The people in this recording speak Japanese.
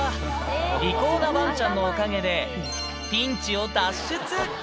利口なわんちゃんのおかげで、ピンチを脱出。